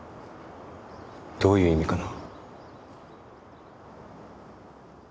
どういう意味かな？